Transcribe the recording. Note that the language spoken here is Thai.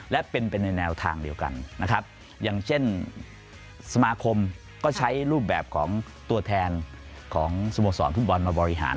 และเป็นไปในแนวทางเดียวกันนะครับอย่างเช่นสมาคมก็ใช้รูปแบบของตัวแทนของสโมสรฟุตบอลมาบริหาร